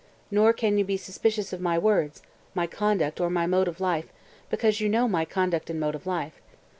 Nor can you be suspicious of my words, my conduct or my mode of life, because you know my conduct and mode of life.